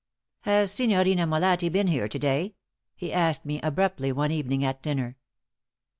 "Has Signorina Molatti been here to day?" he asked me, abruptly, one evening at dinner.